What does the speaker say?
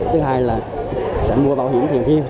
thứ hai là sẽ mua bảo hiểm thiền viên